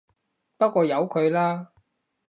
不過由佢啦